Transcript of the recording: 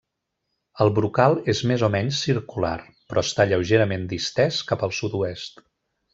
El brocal és més o menys circular, però està lleugerament distès cap al sud-oest.